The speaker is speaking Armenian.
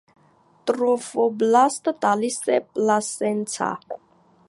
Տրոֆոբլաստը տալիս է պլասենցա։